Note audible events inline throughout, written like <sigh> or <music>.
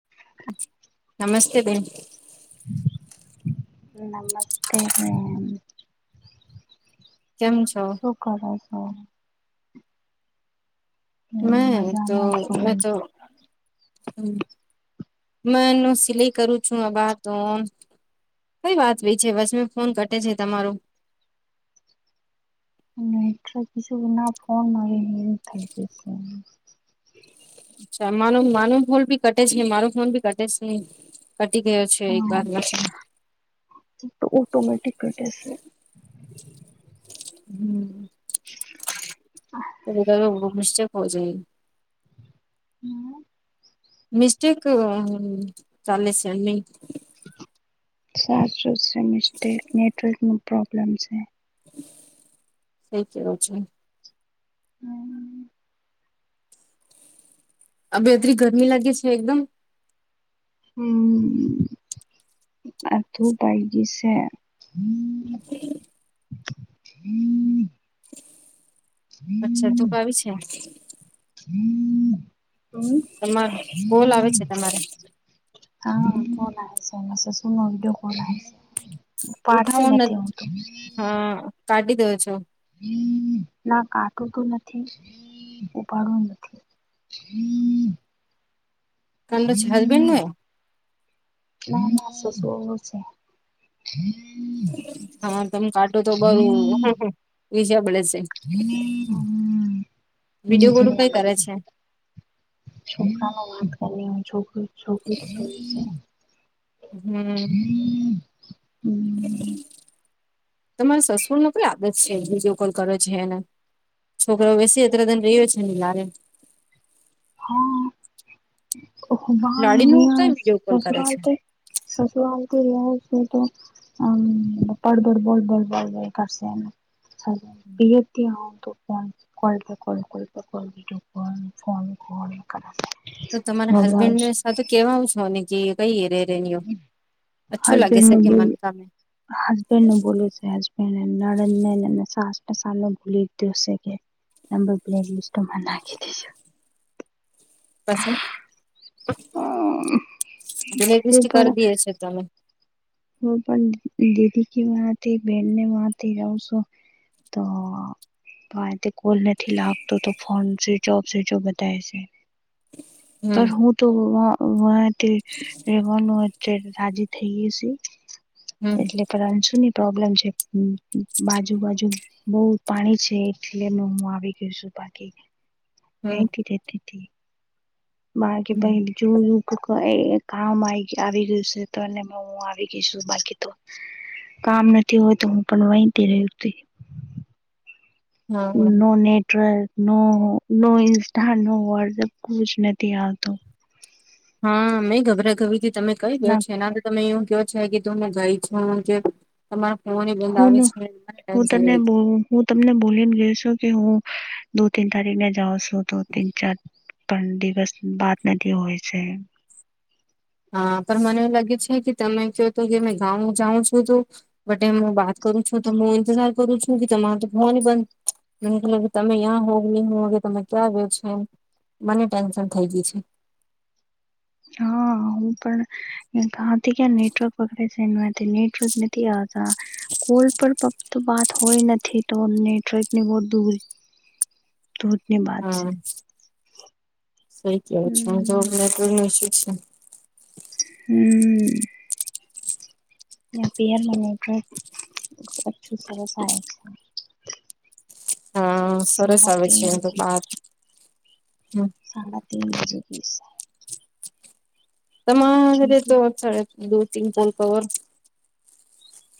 <inaudible> નમસ્તે બેન. નમસ્તે મેમ. કેમ છો? શું કરો સો? હું મે તો મજામાં મે છું. તો હમ્મ મે એનું સિલાઈ કરું છું આબા તોન. કઈ વાત વિચે વચમે ફોન કટે છે તમારો. અને નેટવર્ક ઇસ્યૂ વિના ફોન નહીં એવું થઈ ગયું છે. અરછા માનો માનું ફોન ભી કટે છે, મારો ફોન ભી કટે છે. કટી ગયો છે એક હા બાર <inaudible> તો ઓટોમેંટિક કટે છે. હમ્મ મિસ્ટેક હોવો જોઈ. હમ્મ મિસ્ટેક અ ચાલે છે એમની. સાચું છે મિસ્ટેક નેટવર્ક નો પ્રોબ્લેમ છે. સહી કીધું છે. હમ્મ. અ બેતરી ગરમી લાગે છે એકદમ હમ્મ આથૂ ડાયજીસ સે. <inaudible> અચ્છા ધૂપ આવી છે? કોણ? તમાર કોલ આવે છે તમારે આ કોલ આયો સે. માર સસુરનો વિડીયો કોલ આયો છે. ઉપાડતી ઉઠાવો નથી નથ હું તો હા કાટી દો છો. ના કાટું તો નથી, ઉપાડવું નથી. હમ ઠંડો છે હસબેન્ડ ને ના માર સસરો છે. હમ હા તમે કાટો તો બરું વિ સાબળે છે. હમ હમ વિડીયો કોલ વીજડા કઈ બળે કરે છે. છોકરાની વાત કરી છોકરી <inaudible> હમ તમારે સસુર નો કઈ આદત છે વિડીયો કોલ કરે છે ને. છોકરા બેસી અત્ર દન રહ્યો છે ને લારે. હા ઓ લાડી નું કઈ ભાઈ વિડીયો કોલ કરે સસુરાલ છે તે સસુવાાલ તો રહ્યા છે તો હમ પડ બડ બોલ્ બો બોળ બ કરસે એમ. સ પતી આવ તો ફોન. કોલ પે કોલ કોલ પે call video call, phone call. કરે છે. તો તમારા હસબેન્ડને સાથે કેવા છો ને કે કઈ એરે રનઓ. અચ્છું લાગે છે કે મન કામે. હસબેન્ડને બોલે છે હસબન્ડ. <unintelligible> <unintelligible> પસ દને હું બ્લેક કરી પણ દેએ છે તમે. <unintelligible> હા. પણ કોલ નથી લાગતો તો ફોનબ જો બતા છે. હમ પણ હુ. <unintelligible> રાજી થઈએ હમ્મ. પણ શું ની પ્રોબ્લેમ છે બાજુ બાજુ બઉ પાણી છે એટલે હું આવી ગય છું બાકી. હમ વહત રતી હતી માગે હમ બહેલી જો કામ આવી ગયું છે તો એ હું આવી ગઈ છું બાકી તો કામ નથી હોય તો હું પણ વહીતી રહ્યો હા no network. No no Insta no WhatsApp કોું જ નથી આવતો હા મેં ગભરાગરીથી તમે કઈ ના ગયો છે એના તો તમે એવું કયો છે કે તું હું ગઈ છું કે. તમારા ફોમ બંધ હું આવે છે હું ટેન્શન તને લાય છે. હું તમને બોલીને ગયો છું કે હું દો તન તારીખને જાઉ છું તો તન ચાર. પણ દિવસ બાત નથી હોય છે. હા પણ મને એવું લાગે છે કે તમે ક તો કે ગાઉ જાઉં છું તો. બટ હું વાત કરું છું તો હું ઇંતજાર કરું છું કે તમારે તો જોવાની બંધ એ ક કે તમે તયાં હો કે નહી હ હો કે તમે ક્યાં આવ્યો છેો એમ મને ટેન્શન થઇ ગય છે. હા. હું પણ કાથી ક્યાં નેટવર્ક પકડે છે નેટવર્ક નથી આવતા. કોલ પર પત વાત હોય નથી તો નેટવર્ક ની બહ દૂર ધન્યવાદ હા સઈ કેવું છે હમ જવાઈ હમ્મ. <unintelligible> હા સરસ સાડા આવે તીન છે એમ તો બજે બાર હમ્મ. <unintelligible> તમારે. <unintelligible> છોકરી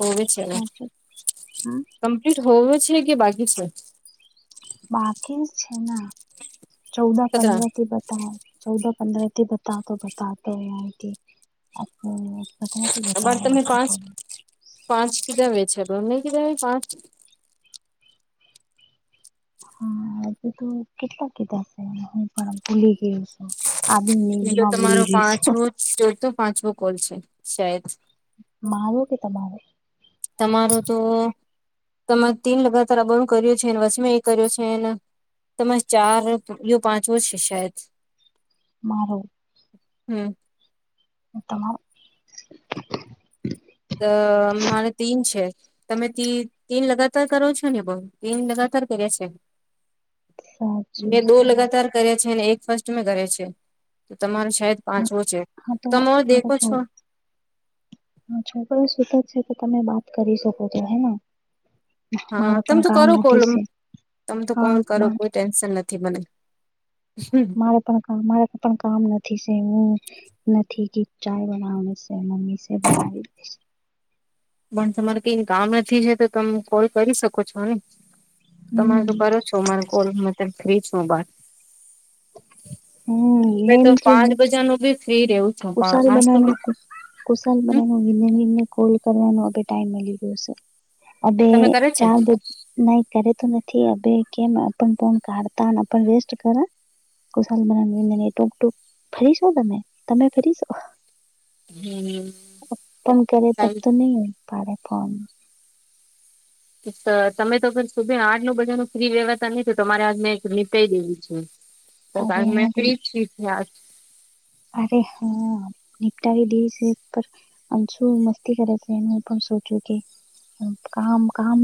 હોવે છે કમ્પ્લીટ હોવે છે કે બાકી છે. બાકી જ છે ના ચૌદ કતરા પંદર થી બતાવ. ચૌદહ પંદ્રહથી બતાતો બતાતો થી. અમારે તમે પાંચ <unintelligible> <unintelligible> પાંચ કિધ બેે છે ન કિધ પાંચ હાજ તો કેટલા કીધા હું પણ ભૂલી ગેય. આબી નીંદમાં બોલી રહી છે. જોઈતું પાંચવો કોલ છે શાયદ. માર કે તમારે? તમારું તો તમે તીન લગાતાર બું કર્યું છે. ને વચ મે એક કર્યો છે. તમારે ચાર યો પાંચ વો છે શાયદ. મારો હમ્મ. તમાર અ મારે તીન છે. તમે તીન લગાતાર કરો છો ને બઉ તીન લગાતાર કર્યા છે. <inaudible> સાચું મેં દો છે લગાતાર કર્યા છે. અને એક ફસ્ટ મેં કરે છે. તો તમારે શાયદ પાંચવો છે. હા તો તમો આ દેખો તો છો. છોકરો સુત જ છે. તો તમે બાત કરી શકો છો હેના. હા તમે તો કરો કોલ. નથી સે તમે તો હા કોલ કરો મા- કોઈ ટેન્શન નથી મને. કામ નથી હું નથી કે ચાય બનાવાની. તે મમ્મી સે બનાવી. પણ તમારે કઈ કામ નથી છે. તો તમે કોલ કરી શકો છોને. તમારે તો હમ કરો. સોમર કોલ મતલબ ફ્રી છું. બાર. હમ મેં તો પાંચ બજા નું બી ફ્રી રેવ. <unintelligible> સારી બનાના ખુશાલ તમે બના કોલ કરવાનો હ ટાઈમ મળી ગયો છે. અબે કરે છે ચા બે નહી કરે તો નથી. અબે કેમન કાઢતા રેસ્ટ કર <unintelligible> હમ <unintelligible> બારે ફોન. તમે તો ફિર સુબે આઠ નો બજા ન ફ્રી વેવાતા નહ તો તમારે આજ મેં નીતાઈ દેવી છે. <inaudible> તો મેં ફ્રી છી આજ અરે હા નિનીપટાવી દઈ છે. આમ છું મસ્તી કરે છે. ને પણ સોચું કે કામ કામ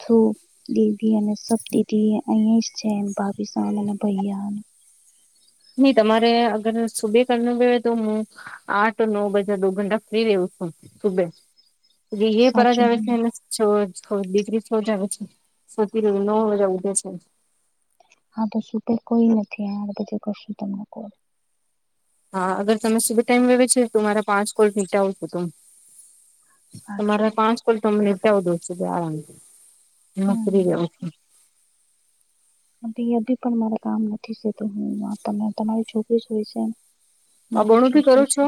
ઠરું દીદી અને સત દીદી અહીં જ છે ભાભિસ અને ભૈયા નઈ તમારે અગર સુબે ક ન વળ તો હું આઠ નવ બજા દો ઘંટા ફ્રી રવ છું સુબે. એ એ સાચું પરાજવ છે. <unintelligible> સોતી નવ વાજા ઉઠે છે. <unintelligible> કોઈ નથી બધી કરશું તમને કોલ. હા અગર તમે શુભ ટાઈમ વેવે છે તો મારા પાંચ કોલ <unintelligible> સાચું તમારા પાંચ કોલ ત મિનિટ આવ દો સુધી આરામ એમાં ફ્રીવ. હમ <unintelligible> પણ મારે કામ નથી છે તો હું ત તમારી છોકરી સુઈ છે. અ મારું બણું ભી કરો છોકરું છે. છો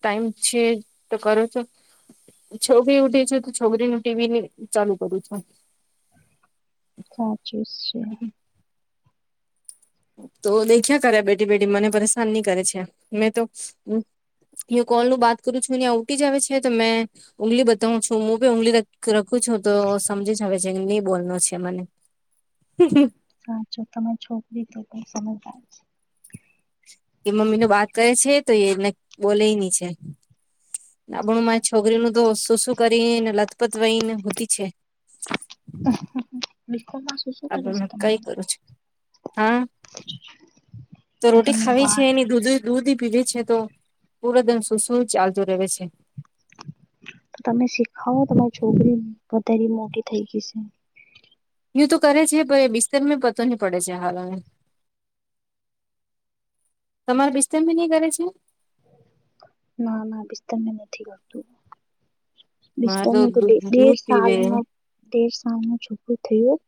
ટાઈમ છે તો કરો છો. છોકરી ઉઠી છે તો છોકરીને ટીવી ચાલુ કરું છુ. સાચું જ છે. તો દેખ્યા કરે બેઠી બેઠી મને પરેશાન નહી કરે છે મેં તો ય કોલ નું બાત કરું છું ને ઉઠી જ આવે છે તો મેં ઊગલી બતાવું છું મુંપે ઊગલી રખું છું તો સમજી જાવે છે નહી બોલનો છે મને. <inaudible> સાચો તમારે છોકરી તો પણ સમજદાર છે. કે મમ્મી ન બાત કરે છે તો એને બોલે ની છે. નાબણુંમાં છોકરીનું તો શું શું કરીને લથપત વય ને સૂતી છે. <inaudible> છે આપડે કઈ તમારે કરું છું હા. તો રોટી તમે ખાવી છે બાર ની દૂધ દૂધી પીવે છે તો પૂરા દિન સુુંસું ચાલતું રહે છે. તો તમે શીખાવો તમારી છોકરીને વધારી મોટી થઈ ગઈ છે. યું તો કરે છે પણ એ બિસ્તારમાં પતો નહી પડે છે હાલ હવે. તમારે બિસ્તર પર નહી કરે છે. ના ના બિસ્તર મે નથી કરતું. બિસ્તર નું તો દેળ દૂધ સાલ પીવે નું. દેર સાલનું છોકરું થયું,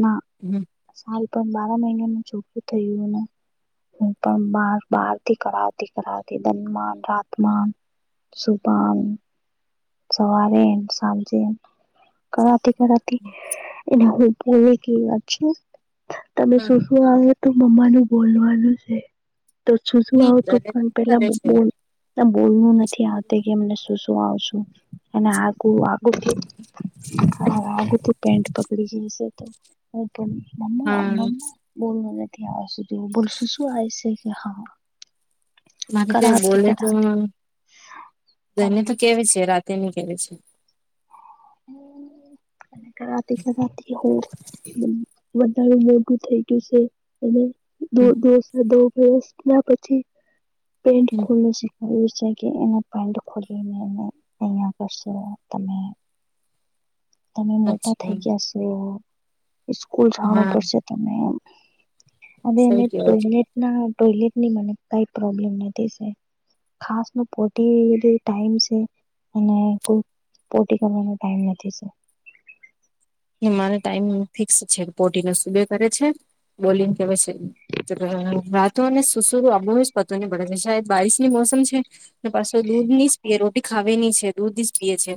ના. હમ. સાલ પણ બાર મહિનાનું છોકરું થયું ને. હું પણ બાર બહાર થી કરાવતી કરાવતી. સન મા ને રાત મા સુભાન <unintelligible> સવારે સાંજે કરાવતી કરાવતી એને બોલી કેવી વાત છે તમે શું શું આવે તો મમ્મા ને બોલવાનું છે. તો સૂસૂ હમ આવ તો દને પણ કરે છે પેલા બોલવું નથી આવતી કે એમને શું શું આવ છે. અને આગ આ આગળથી પેન્ટ પકડી જશે તો. હ પણ મમ્મા હા મમ્મા બોલ નથી આવતું શું બોલશું શું આવે છે કે હા. મારે તો કરાવતી બોલે તો કરાવતી પણ એને તો કેવી છે રાતે ની કેવી છે. કટારાતી કટારાતી હુ વધારે મોઘું થઈ ગયું છે અને દો દો વસ ના પછી પેન્ટ ખોલુશે. એવું છે કે એનો પેન્ટ ખોલીને અહિયાં કરશો તમે. તમે મોટા અચ્છા થઈ ગયા છો સ્કૂલ જવાનું હા પડશે. અને અવે એને સઈ કેવો ટોટ છે <unintelligible> ના ટોઇલેટ ની મને કઈ પ્રોબ્લેમ નથી. ખાસ ન પોટી ટાઈમ છે અને પોટી કરવાનો ટાઈમ નથી જે. એ મારે ટાઈમ ફિક્સ છે પોટીને સુબે કરે છે બોલી ને કેહેવાય છે. રાતો અને સુસુ આબો જ પતોની પડે છે શાયદ બારિશ ની મોસમ છે. પાછો દૂધ ની જ પીએ રોટી ખાવે ની છે દૂધ જ પીએ છે.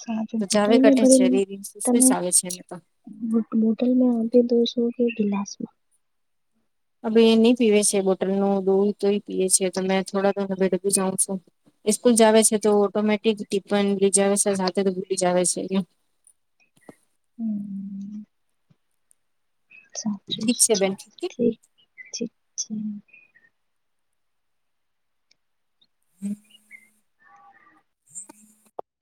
સારુ <unintelligible> તો શરીર શું શું એ આવે છે ને તો. મોટલ મે આગે દ સો કે ગિલાસ. <unintelligible> હવે નહી પીવે છે બોટલનું દૂધ દોહી તો પીએ છે તમે થોડા તો ભ ડબી <unintelligible> જાવ છું. સ્કૂલ જાવે છે તો ઓટોમેટિક ટિફન લઈ જ આવે છે સાથે ભૂલી જાવે છે. હમ. ઠીક સાી છે બેન ઠીક છે ઠીક છે. હમ. <unintelligible>